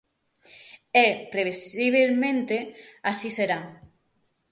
E previsibelmente así será.